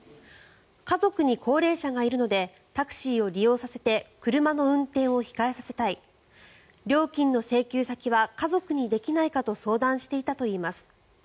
家族に高齢者がいるのでタクシーを利用させて車の運転を控えさせたい料金の請求先は家族にできないかと相談していたといいます。